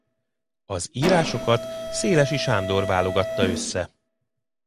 Az írásokat Szélesi Sándor válogatta össze.